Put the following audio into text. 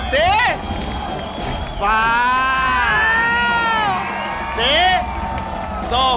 สีส้ม